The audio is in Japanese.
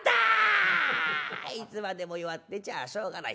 いつまでも弱ってちゃあしょうがない。